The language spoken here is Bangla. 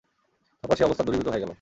তারপর সে অবস্থা দূরীভূত হয়ে গেল।